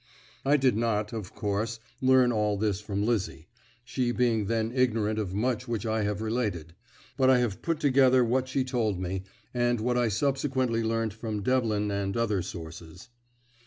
I did not, of course, learn all this from Lizzie, she being then ignorant of much which I have related, but I have put together what she told me and what I subsequently learnt from Devlin and other sources.